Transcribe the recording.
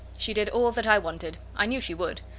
She did all that I wanted. I knew she would.